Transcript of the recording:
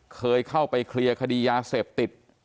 เคยเข้าไปเคลียร์คดียาเสพติด